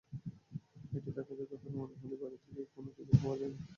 এটি ডাকাতির ঘটনা মনে হলেও বাড়ি থেকে কোনো কিছু খোয়া যায়নি।